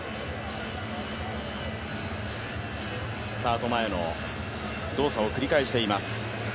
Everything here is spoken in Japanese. スタート前の動作を繰り返しています。